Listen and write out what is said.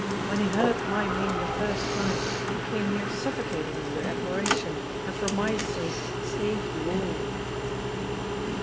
When he heard my name the first time, he came near suffocating me with admiration, and for my sake saved you all."